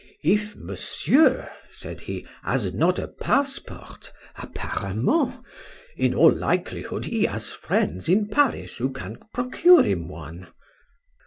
—If Monsieur, said he, has not a passport (apparemment) in all likelihood he has friends in Paris who can procure him one.